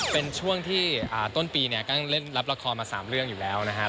เป็นช่วงที่ต้นปีเนี่ยก็เล่นรับละครมา๓เรื่องอยู่แล้วนะฮะ